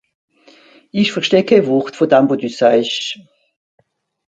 Ìch versteh kenn Wort vùn dem, wàs dü do saasch.